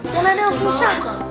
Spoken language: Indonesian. jangan ada yang susah